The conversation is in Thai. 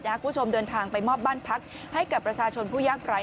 คุณผู้ชมเดินทางไปมอบบ้านพักให้กับประชาชนผู้ยากไร้